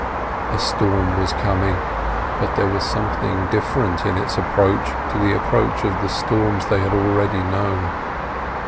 A storm was coming, but there was something different in its approach to the approach of the storms they had already known.